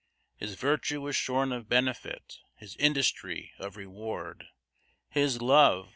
His virtue was shorn of benefit, his industry of reward; His love!